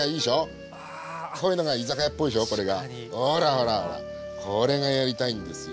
ほらほらこれがやりたいんですよ。